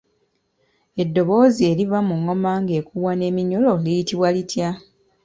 Eddoboozi eriva mu ngoma ng'ekubwa n'eminyolo liyitibwa litya?